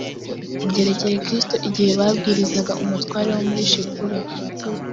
byerekeye kristo igihe babwirizaga umutware wo muri shipure